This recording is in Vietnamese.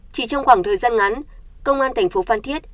chỉ trong khoảng thời gian ngắn công an thành phố phan thiết